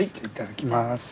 いただきます。